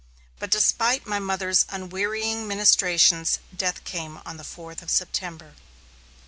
But despite my mother's unwearying ministrations, death came on the fourth of September.